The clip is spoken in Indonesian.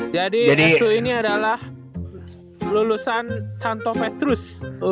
jadi edsu ini adalah lulusan santo petrus